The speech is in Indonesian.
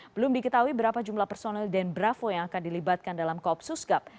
belum diketahui berapa jumlah personil den bravo yang akan dilibatkan dalam koopsus gap